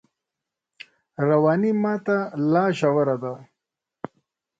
رواني ماته لا ژوره شوه